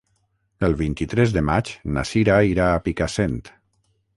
El vint-i-tres de maig na Sira irà a Picassent.